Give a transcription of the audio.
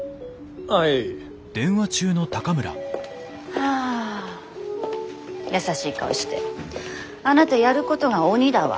はあ優しい顔してあなたやることが鬼だわ。